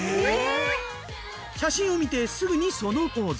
写真を見てすぐにそのポーズ。